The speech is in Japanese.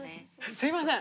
すいません。